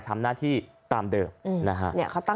คุณผู้ชมไปฟังเสียงพร้อมกัน